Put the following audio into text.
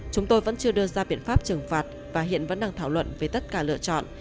chúng tôi vẫn chưa đưa ra biện pháp trừng phạt và hiện vẫn đang thảo luận về tất cả lựa chọn